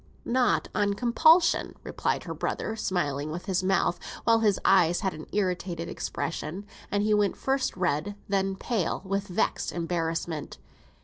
"Not on compulsion," replied her brother, smiling with his mouth, while his eyes had an irritated expression, and he went first red, then pale, with vexed embarrassment.